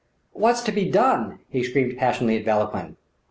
"What's to be done?" he screamed passionately at Vauquelin.